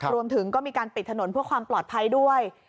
รวมถึงก็มีการปิดถนนเพื่อความปลอดภัยด้วย